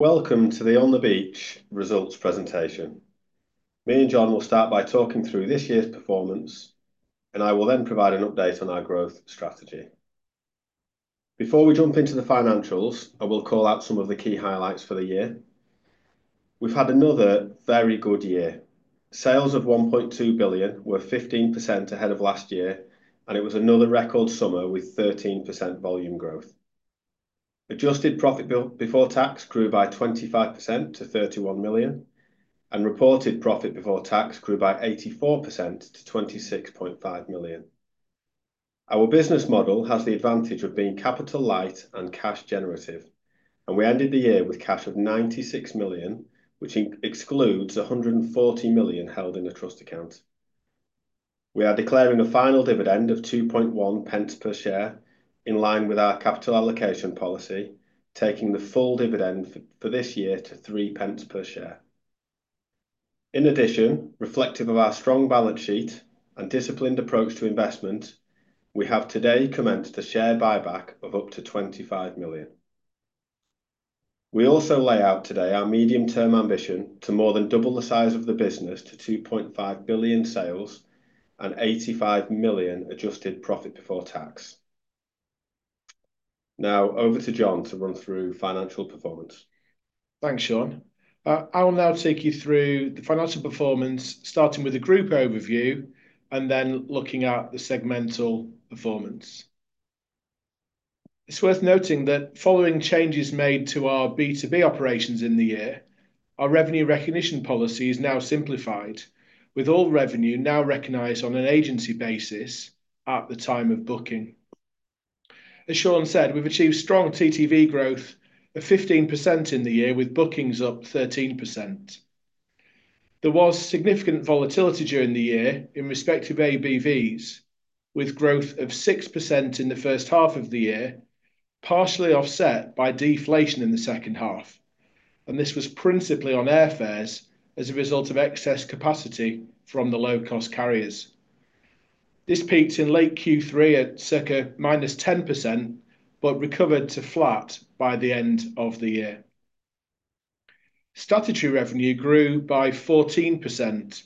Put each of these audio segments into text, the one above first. Welcome to the On the Beach results presentation. Me and Jon will start by talking through this year's performance, and I will then provide an update on our growth strategy. Before we jump into the financials, I will call out some of the key highlights for the year. We've had another very good year. Sales of 1.2 billion were 15% ahead of last year, and it was another record summer with 13% volume growth. Adjusted profit before tax grew by 25% to 31 million, and reported profit before tax grew by 84% to 26.5 million. Our business model has the advantage of being capital light and cash generative, and we ended the year with cash of 96 million, which excludes 140 million held in a trust account. We are declaring a final dividend of 0.021 per share in line with our capital allocation policy, taking the full dividend for this year to 0.03 per share. In addition, reflective of our strong balance sheet and disciplined approach to investment, we have today commenced a share buyback of up to 25 million. We also lay out today our medium-term ambition to more than double the size of the business to 2.5 billion sales and 85 million adjusted profit before tax. Now over to Jon to run through financial performance. Thanks, Shaun. I will now take you through the financial performance, starting with a group overview and then looking at the segmental performance. It's worth noting that following changes made to our B2B operations in the year, our revenue recognition policy is now simplified, with all revenue now recognized on an agency basis at the time of booking. As Shaun said, we've achieved strong TTV growth of 15% in the year, with bookings up 13%. There was significant volatility during the year in respect of ABVs, with growth of 6% in the first half of the year, partially offset by deflation in the second half, and this was principally on airfares as a result of excess capacity from the low-cost carriers. This peaked in late Q3 at circa -10% but recovered to flat by the end of the year. Statutory revenue grew by 14%,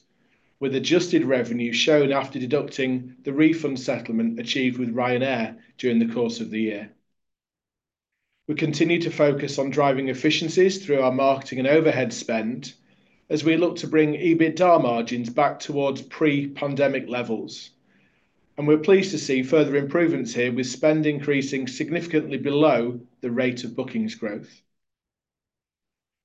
with adjusted revenue shown after deducting the refund settlement achieved with Ryanair during the course of the year. We continue to focus on driving efficiencies through our marketing and overhead spend as we look to bring EBITDA margins back towards pre-pandemic levels, and we're pleased to see further improvements here with spend increasing significantly below the rate of bookings growth.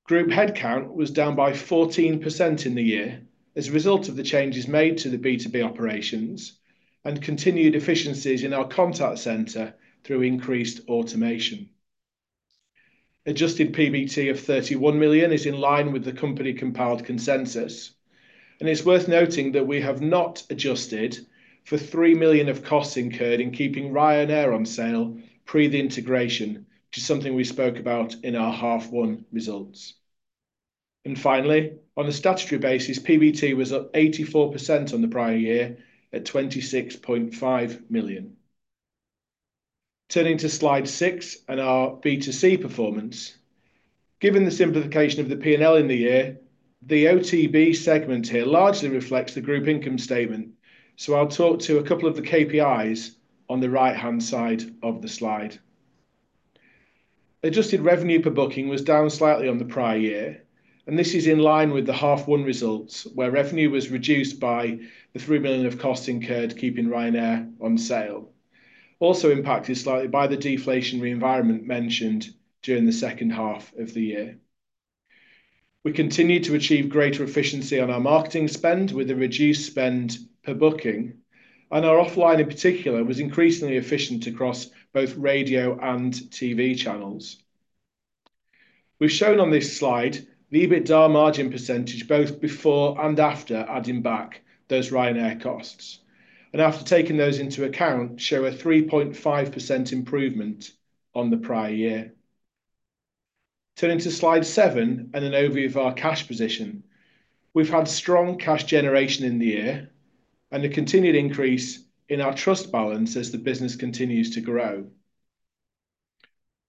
Group headcount was down by 14% in the year as a result of the changes made to the B2B operations and continued efficiencies in our contact center through increased automation. Adjusted PBT of 31 million is in line with the company-compiled consensus, and it's worth noting that we have not adjusted for 3 million of costs incurred in keeping Ryanair on sale pre the integration, which is something we spoke about in our half one results. Finally, on a statutory basis, PBT was up 84% on the prior year at 26.5 million. Turning to slide six and our B2C performance. Given the simplification of the P&L in the year, the OTB segment here largely reflects the group income statement, so I'll talk to a couple of the KPIs on the right-hand side of the slide. Adjusted revenue per booking was down slightly on the prior year, and this is in line with the half one results, where revenue was reduced by the 3 million of costs incurred keeping Ryanair on sale. Also impacted slightly by the deflationary environment mentioned during the second half of the year. We continued to achieve greater efficiency on our marketing spend with a reduced spend per booking, and our offline in particular was increasingly efficient across both radio and TV channels. We've shown on this slide the EBITDA margin % both before and after adding back those Ryanair costs, and after taking those into account, show a 3.5% improvement on the prior year. Turning to slide seven and an overview of our cash position. We've had strong cash generation in the year and a continued increase in our trust balance as the business continues to grow.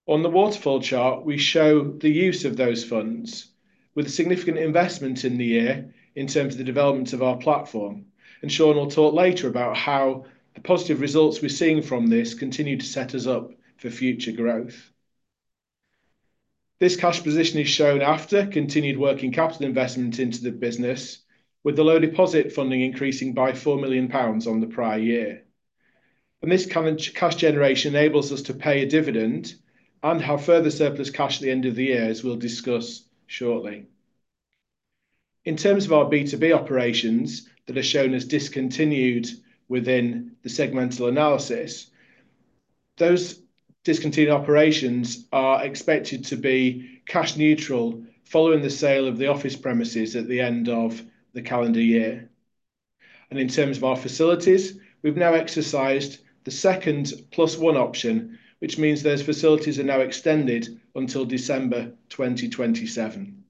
On the waterfall chart, we show the use of those funds with a significant investment in the year in terms of the development of our platform, and Shaun will talk later about how the positive results we're seeing from this continue to set us up for future growth. This cash position is shown after continued working capital investment into the business with the low deposit funding increasing by 4 million pounds on the prior year. This current cash generation enables us to pay a dividend and have further surplus cash at the end of the year, as we will discuss shortly. In terms of our B2B operations that are shown as discontinued within the segmental analysis, those discontinued operations are expected to be cash neutral following the sale of the office premises at the end of the calendar year. In terms of our facilities, we've now exercised the second plus one option, which means those facilities are now extended until December 2027.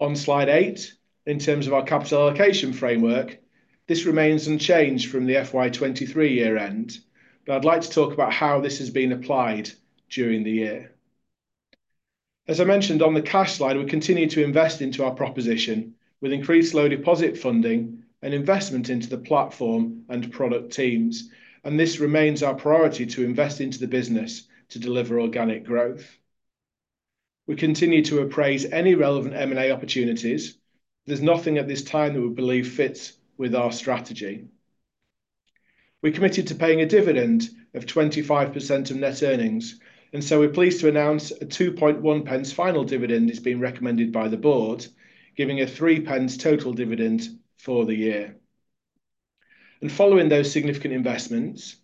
On slide 8, in terms of our capital allocation framework, this remains unchanged from the FY 2023 year end. I'd like to talk about how this has been applied during the year. As I mentioned on the cash slide, we continue to invest into our proposition with increased low deposit funding and investment into the platform and product teams. This remains our priority to invest into the business to deliver organic growth. We continue to appraise any relevant M&A opportunities. There's nothing at this time that we believe fits with our strategy. We're committed to paying a dividend of 25% of net earnings. We're pleased to announce a 0.021 final dividend is being recommended by the board, giving a 0.03 total dividend for the year. Following those significant investments,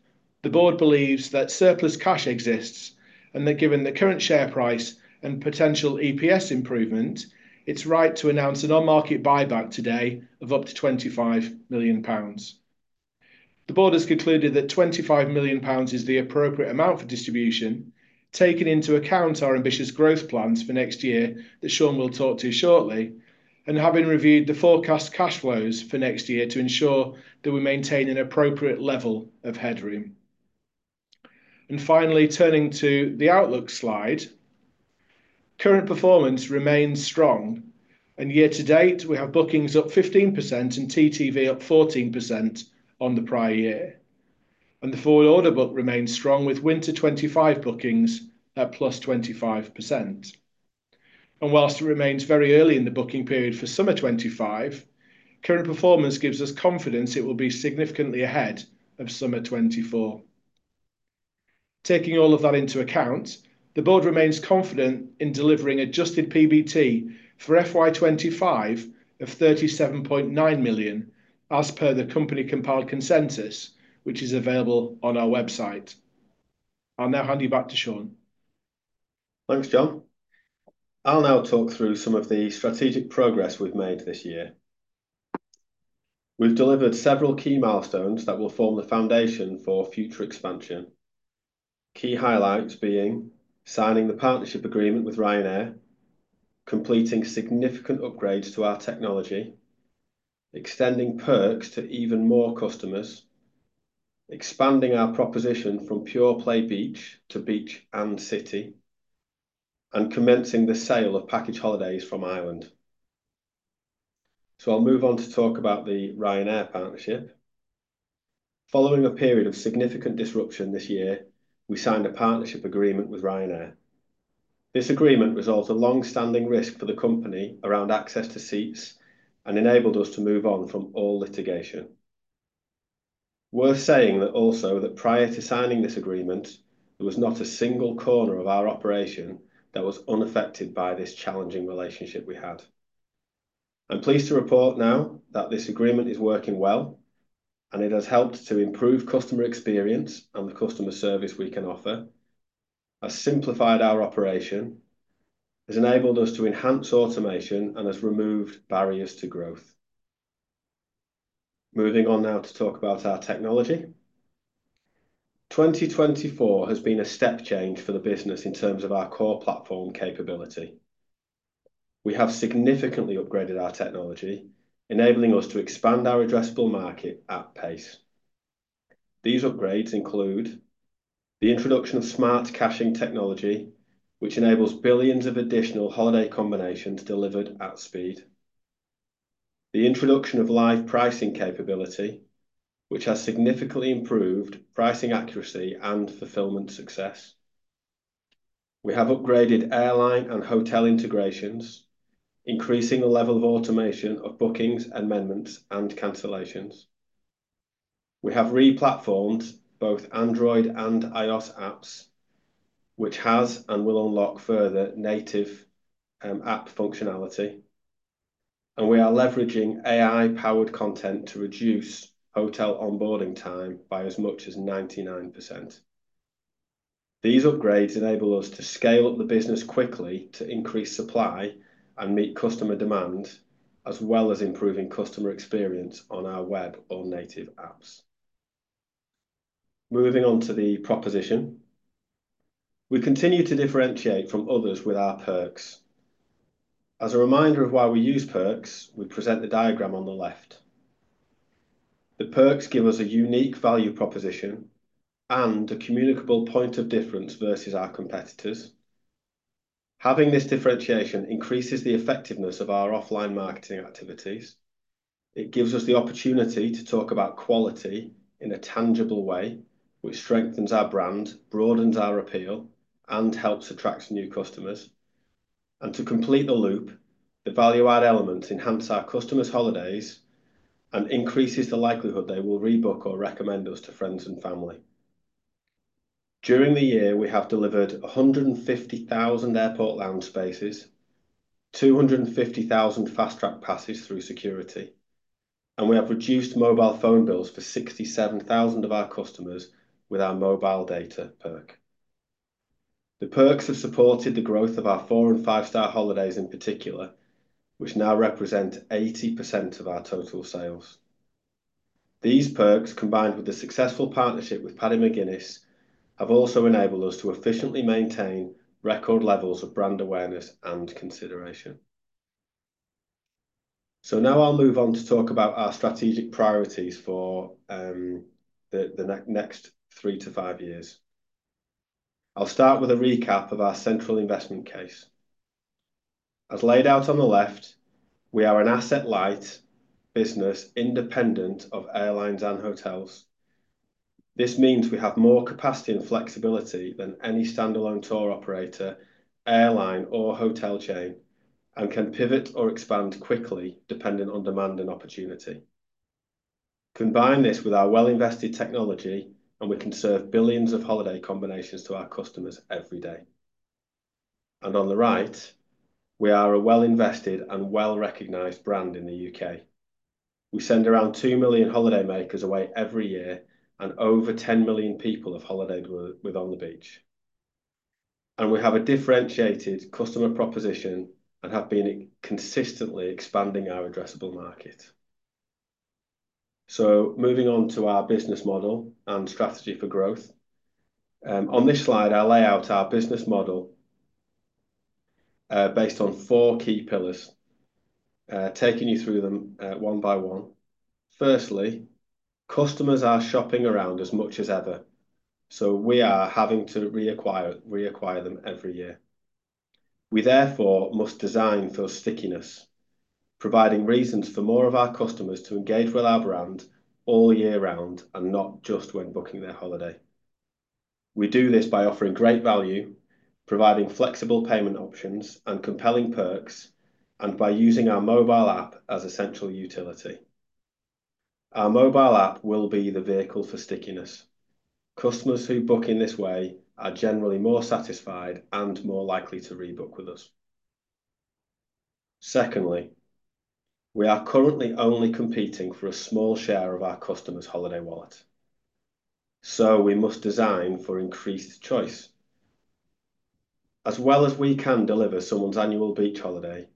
the board believes that surplus cash exists, and that given the current share price and potential EPS improvement, it's right to announce an on-market buyback today of up to 25 million pounds. The board has concluded that 25 million pounds is the appropriate amount for distribution, taking into account our ambitious growth plans for next year that Shaun will talk to shortly, having reviewed the forecast cash flows for next year to ensure that we maintain an appropriate level of headroom. Finally, turning to the outlook slide. Current performance remains strong. Year to date, we have bookings up 15% and TTV up 14% on the prior year. The forward order book remains strong with winter 2025 bookings at +25%. Whilst it remains very early in the booking period for summer 2025, current performance gives us confidence it will be significantly ahead of summer 2024. Taking all of that into account, the board remains confident in delivering adjusted PBT for FY 2025 of 37.9 million, as per the company-compiled consensus which is available on our website. I'll now hand you back to Shaun. Thanks, Jon. I'll now talk through some of the strategic progress we've made this year. We've delivered several key milestones that will form the foundation for future expansion. Key highlights being signing the partnership agreement with Ryanair, completing significant upgrades to our technology, extending perks to even more customers, expanding our proposition from pure play beach to beach and city, and commencing the sale of package holidays from Ireland. I'll move on to talk about the Ryanair partnership. Following a period of significant disruption this year, we signed a partnership agreement with Ryanair. This agreement resolved a long-standing risk for the company around access to seats and enabled us to move on from all litigation. Worth saying that also that prior to signing this agreement, there was not a single corner of our operation that was unaffected by this challenging relationship we had. I'm pleased to report now that this agreement is working well, and it has helped to improve customer experience and the customer service we can offer, has simplified our operation, has enabled us to enhance automation and has removed barriers to growth. Moving on now to talk about our technology. 2024 has been a step change for the business in terms of our core platform capability. We have significantly upgraded our technology, enabling us to expand our addressable market at pace. These upgrades include the introduction of smart caching technology, which enables billions of additional holiday combinations delivered at speed. The introduction of live pricing capability, which has significantly improved pricing accuracy and fulfillment success. We have upgraded airline and hotel integrations, increasing the level of automation of bookings, amendments and cancellations. We have re-platformed both Android and iOS apps, which has and will unlock further native app functionality. We are leveraging AI-powered content to reduce hotel onboarding time by as much as 99%. These upgrades enable us to scale up the business quickly to increase supply and meet customer demand, as well as improving customer experience on our web or native apps. Moving on to the proposition. We continue to differentiate from others with our perks. As a reminder of why we use perks, we present the diagram on the left. The perks give us a unique value proposition and a communicable point of difference versus our competitors. Having this differentiation increases the effectiveness of our offline marketing activities. It gives us the opportunity to talk about quality in a tangible way, which strengthens our brand, broadens our appeal, and helps attract new customers. To complete the loop, the value-add element enhance our customers' holidays and increases the likelihood they will rebook or recommend us to friends and family. During the year, we have delivered 150,000 airport lounge spaces, 250,000 Fast Track passes through security, and we have reduced mobile phone bills for 67,000 of our customers with our mobile data perk. The perks have supported the growth of our four and five-star holidays in particular, which now represent 80% of our total sales. These perks, combined with the successful partnership with Paddy McGuinness, have also enabled us to efficiently maintain record levels of brand awareness and consideration. Now I'll move on to talk about our strategic priorities for the next three to five years. I'll start with a recap of our central investment case. As laid out on the left, we are an asset-light business independent of airlines and hotels. This means we have more capacity and flexibility than any standalone tour operator, airline, or hotel chain, and can pivot or expand quickly depending on demand and opportunity. Combine this with our well-invested technology, we can serve billions of holiday combinations to our customers every day. On the right, we are a well-invested and well-recognized brand in the U.K. We send around 2 million holidaymakers away every year, over 10 million people have holidayed with On the Beach. We have a differentiated customer proposition and have been consistently expanding our addressable market. Moving on to our business model and strategy for growth. On this slide, I lay out our business model, based on four key pillars, taking you through them, one by one. Firstly, customers are shopping around as much as ever, so we are having to reacquire them every year. We therefore must design for stickiness, providing reasons for more of our customers to engage with our brand all year round and not just when booking their holiday. We do this by offering great value, providing flexible payment options and compelling perks, and by using our mobile app as essential utility. Our mobile app will be the vehicle for stickiness. Customers who book in this way are generally more satisfied and more likely to rebook with us. Secondly, we are currently only competing for a small share of our customers' holiday wallet, so we must design for increased choice. As well as we can deliver someone's annual beach holiday,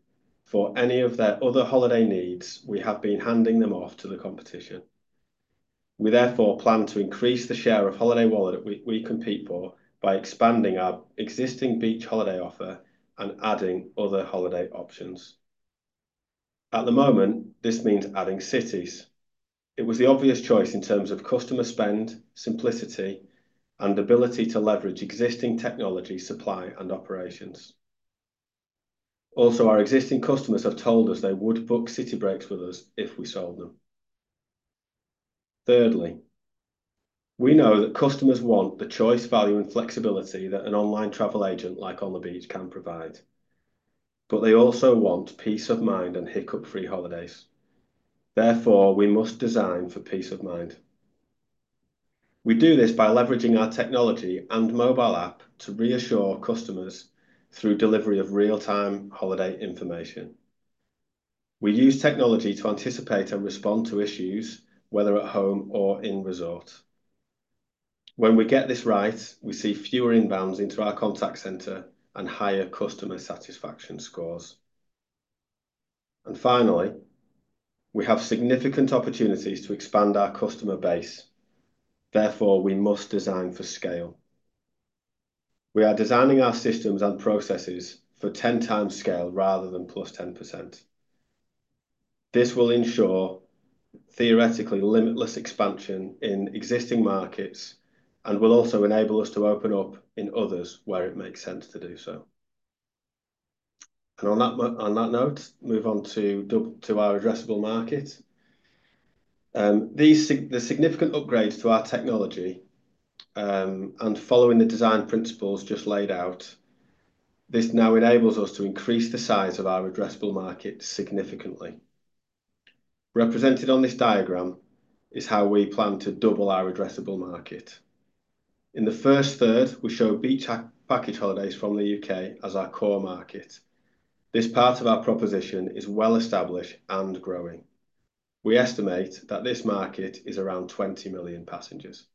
for any of their other holiday needs, we have been handing them off to the competition. We therefore plan to increase the share of holiday wallet we compete for by expanding our existing beach holiday offer and adding other holiday options. At the moment, this means adding cities. It was the obvious choice in terms of customer spend, simplicity, and ability to leverage existing technology, supply, and operations. Our existing customers have told us they would book city breaks with us if we sold them. Thirdly, we know that customers want the choice, value, and flexibility that an online travel agent like On the Beach can provide, but they also want peace of mind and hiccup-free holidays. Therefore, we must design for peace of mind. We do this by leveraging our technology and mobile app to reassure customers through delivery of real-time holiday information. We use technology to anticipate and respond to issues, whether at home or in resort. When we get this right, we see fewer inbounds into our contact center and higher customer satisfaction scores. Finally, we have significant opportunities to expand our customer base. Therefore, we must design for scale. We are designing our systems and processes for 10 times scale rather than plus 10%. This will ensure theoretically limitless expansion in existing markets and will also enable us to open up in others where it makes sense to do so. On that note, move on to our addressable market. These the significant upgrades to our technology, and following the design principles just laid out, this now enables us to increase the size of our addressable market significantly. Represented on this diagram is how we plan to double our addressable market. In the first third, we show beach package holidays from the U.K. as our core market. This part of our proposition is well-established and growing. We estimate that this market is around 20 million passengers.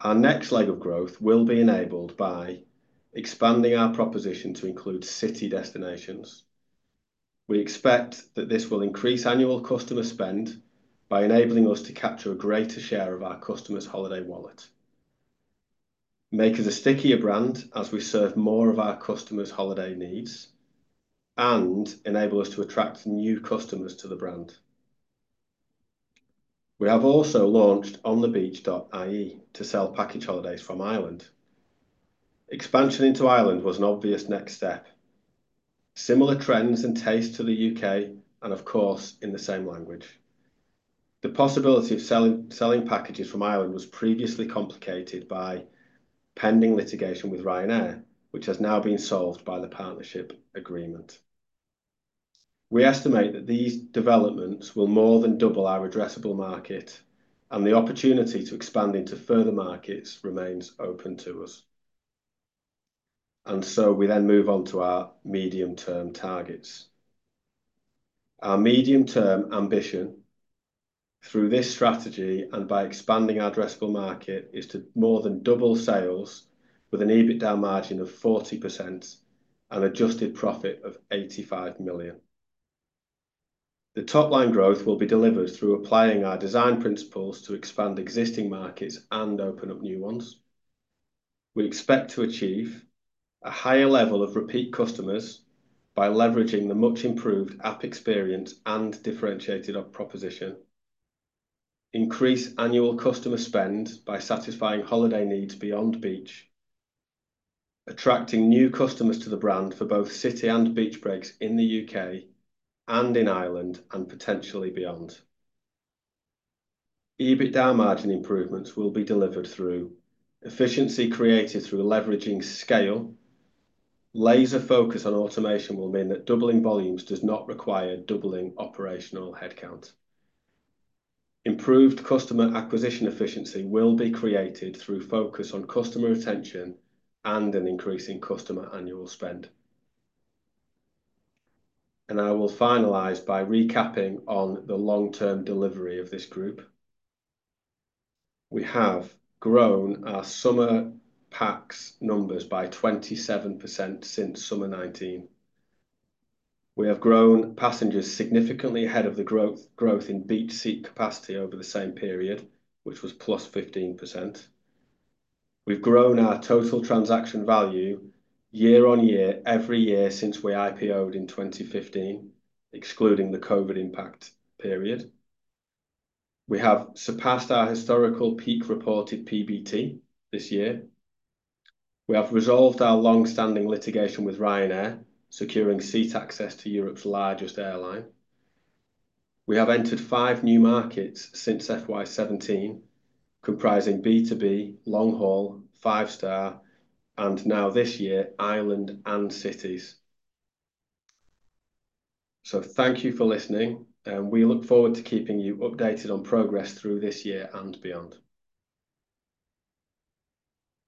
Our next leg of growth will be enabled by expanding our proposition to include city destinations. We expect that this will increase annual customer spend by enabling us to capture a greater share of our customers' holiday wallet, make us a stickier brand as we serve more of our customers' holiday needs, and enable us to attract new customers to the brand. We have also launched onthebeach.ie to sell package holidays from Ireland. Expansion into Ireland was an obvious next step, similar trends and tastes to the U.K. and, of course, in the same language. The possibility of selling packages from Ireland was previously complicated by pending litigation with Ryanair, which has now been solved by the partnership agreement. We estimate that these developments will more than double our addressable market, and the opportunity to expand into further markets remains open to us. We then move on to our medium-term targets. Our medium-term ambition through this strategy and by expanding our addressable market is to more than double sales with an EBITDA margin of 40% and adjusted profit of 85 million. The top line growth will be delivered through applying our design principles to expand existing markets and open up new ones. We expect to achieve a higher level of repeat customers by leveraging the much improved app experience and differentiated proposition. Increase annual customer spend by satisfying holiday needs beyond beach. Attracting new customers to the brand for both city and beach breaks in the U.K. and in Ireland, potentially beyond. EBITDA margin improvements will be delivered through efficiency created through leveraging scale. Laser focus on automation will mean that doubling volumes does not require doubling operational headcount. Improved customer acquisition efficiency will be created through focus on customer retention and an increase in customer annual spend. I will finalize by recapping on the long-term delivery of this group. We have grown our summer Pax numbers by 27% since summer 2019. We have grown passengers significantly ahead of the growth in beach seat capacity over the same period, which was +15%. We've grown our total transaction value year-over-year every year since we IPO'd in 2015, excluding the COVID impact period. We have surpassed our historical peak reported PBT this year. We have resolved our long-standing litigation with Ryanair, securing seat access to Europe's largest airline. We have entered five new markets since FY 2017, comprising B2B, long-haul, five-star, and now this year, Ireland and cities. Thank you for listening, and we look forward to keeping you updated on progress through this year and beyond.